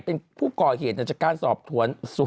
เป็นผู้ก่อเหตุจากการสอบสวน